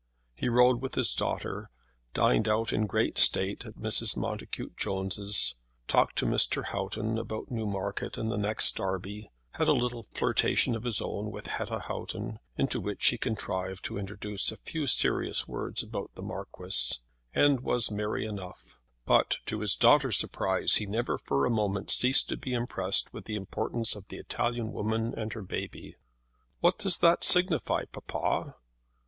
He rode with his daughter, dined out in great state at Mrs. Montacute Jones's, talked to Mr. Houghton about Newmarket and the next Derby, had a little flirtation of his own with Hetta Houghton, into which he contrived to introduce a few serious words about the Marquis, and was merry enough; but, to his daughter's surprise, he never for a moment ceased to be impressed with the importance of the Italian woman and her baby. "What does it signify, papa?" she said.